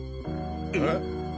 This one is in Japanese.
えっ？